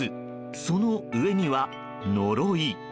その上には「呪」。